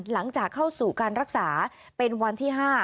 หลังจากเข้าสู่การรักษาเป็นวันที่๕